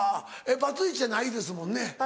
バツイチじゃないです。